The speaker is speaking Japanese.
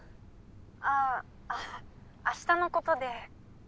ああ明日のことで。